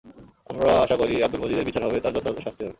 আমরা আশা করি, আবদুল মজিদের বিচার হবে, তাঁর যথাযথ শাস্তি হবে।